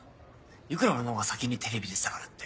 いくら俺の方が先にテレビ出てたからって。